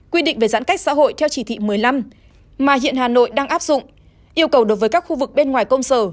quy định về giãn cách xã hội theo chỉ thị một mươi năm mà hiện hà nội đang áp dụng yêu cầu đối với các khu vực bên ngoài công sở